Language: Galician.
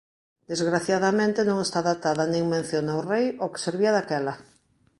Desgraciadamente non está datada nin menciona o rei ao que servía daquela.